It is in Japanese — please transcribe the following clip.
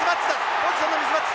ポジションのミスマッチ。